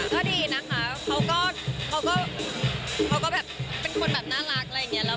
ก็ดีนะคะเขาก็แบบเป็นน่ารักเงี้ย